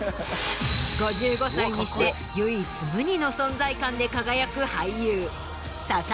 ５５歳にして唯一無二の存在感で輝く。